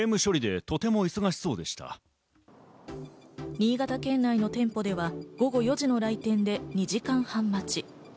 新潟県内の店舗では午後４時の来店で２時間半待ち。